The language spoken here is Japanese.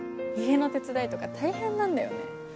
家の手伝いとか大変なんだよね。